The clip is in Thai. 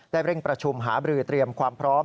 เร่งประชุมหาบรือเตรียมความพร้อม